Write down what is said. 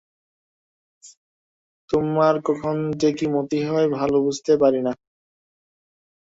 তােমার কখন যে কি মতি হয়, ভাল বুঝিতে পারি না!